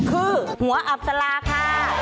คือหัวอับสลาค่ะ